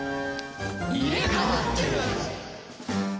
入れ替わってる！？